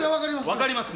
わかります。